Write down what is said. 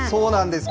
そうなんです。